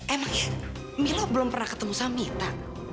emang ya milo belum pernah ketemu sama mita